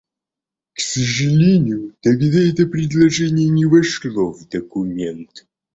К сожалению, тогда это предложение не вошло в документ.